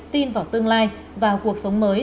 tin vào tương lai và cuộc sống mới